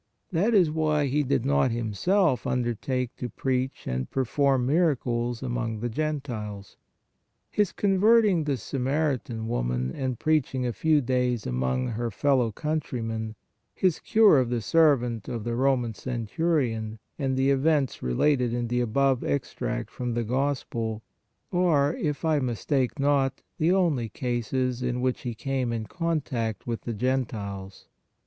That is why. He did not Himself undertake to preach and perform miracles among the Gentiles. His converting the Samaritan woman and preaching a few days among her fellow countrymen, His cure of the servant of the Roman centurion and the events related in the above extract from the Gospel, are, if I mistake not, the only cases in which He came in contact with the Gentiles.